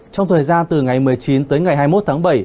trong thời gian từ ngày một mươi chín tới ngày hai mươi một tháng bảy